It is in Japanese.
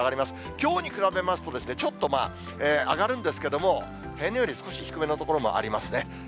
きょうに比べますとですね、ちょっと上がるんですけども、平年より少し低めの所もありますね。